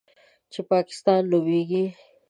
چې پاکستان نومېږي.